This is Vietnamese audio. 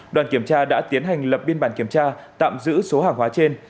đoàn kiểm tra đã tiến hành lập biên bản kiểm tra tạm giữ số hàng hóa trên